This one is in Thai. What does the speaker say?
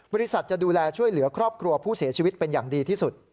บริษัทจะดูแลช่วยเหลือครอบครัวผู้เสียชีวิตเป็นอย่างดีที่สุด